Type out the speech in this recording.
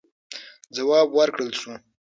ځواب ورکړل سو.